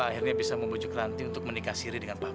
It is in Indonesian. kamu kan tau saya